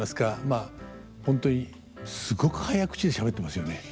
まあ本当にすごく早口でしゃべってますよね。